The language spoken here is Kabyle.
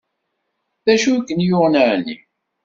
D acu ay ken-yuɣen ɛni?